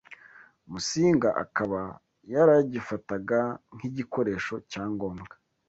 Musinga akaba yaragifataga nk’igikoresho cya ngombwa